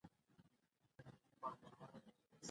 آیا شریف به نن په خپل وخت کور ته راستون شي؟